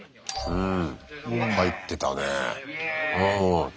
うん。